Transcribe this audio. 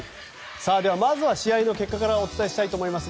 まずは試合の結果からお伝えしたいと思います。